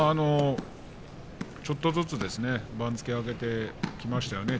ちょっとずつ番付を上げてきましたよね